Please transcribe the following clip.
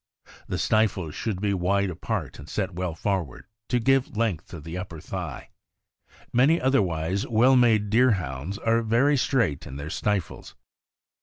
The stifles should be wide apart, and set well forward, to give length to the upper thigh. Many otherwise well made Deerhounds are very straight in their stifles.